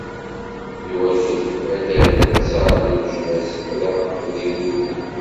Iwakken ad d-rren ttar si leǧnas, ad ɛaqben igduden.